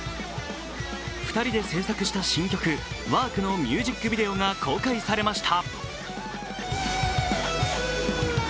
２人で製作した新曲「ＷＲＫ」のミュージックビデオが公開されました。